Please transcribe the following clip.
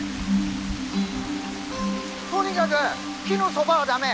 とにかぐ木のそばは駄目。